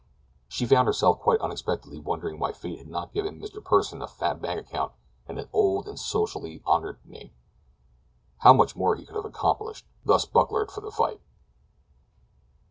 She found herself, quite unexpectedly, wondering why fate had not given Mr. Pursen a fat bank account and an old and socially honored name. How much more he could have accomplished, thus bucklered for the fight!